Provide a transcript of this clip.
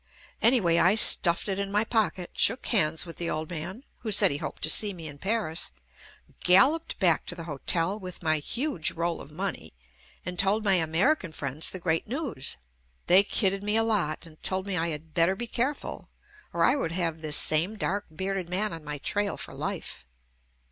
Anyway, I stuffed it in my pocket, shook hands with the old man, who said he hoped to see me in Paris, galloped back to the hotel with my huge roll of money and told my American friends the great news. They kidded me a lot and told me I had better be careful, or I would have this same dark bearded man on my trail for life.